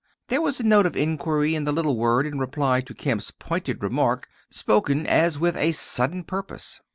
There was a note of inquiry in the little word in reply to Kemp's pointed remark spoken as with a sudden purpose.